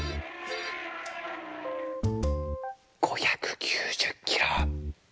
５９０キロ。